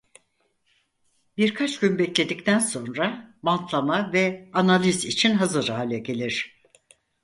Birkaç gün bekledikten sonra bantlama ve analiz için hazır hale gelir.